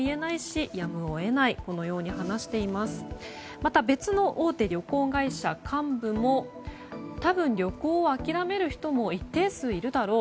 また、別の大手旅行会社幹部も多分旅行を諦める人も一定数いるだろう。